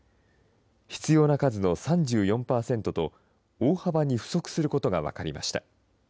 必要な数の３４％と、大幅に不足することが分かりました。